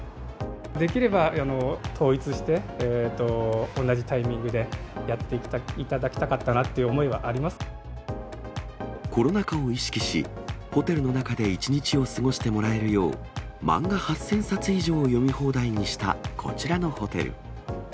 できれば、統一して同じタイミングでやっていただきたかったなって思いはあコロナ禍を意識し、ホテルの中で一日を過ごしてもらえるよう、漫画８０００冊以上を読み放題にしたこちらのホテル。